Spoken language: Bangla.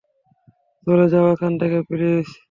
চলে যাও এখান থেকে, প্লিজ।